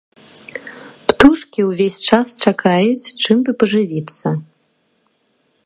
Птушкі ўвесь час чакаюць, чым бы пажывіцца.